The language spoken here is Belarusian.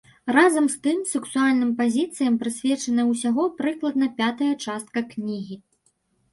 Разам з тым, сексуальным пазіцыям прысвечаная ўсяго прыкладна пятая частка кнігі.